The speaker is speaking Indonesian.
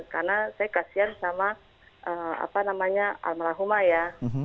karena saya kasihan sama almarhumah ya